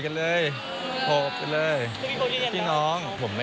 ถ่ายไหมก็พี่ชายเราอ่ะ